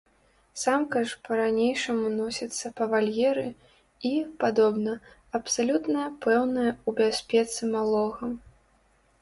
Самка ж па-ранейшаму носіцца па вальеры і, падобна, абсалютна пэўная ў бяспецы малога.